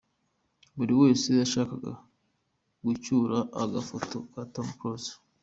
Buri wese yashakaga gucyura agafoto ka Tom Close.